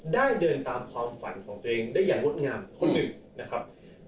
ได้เดินตามความฝันของตัวเองได้อย่างมดงามคงเหน็ด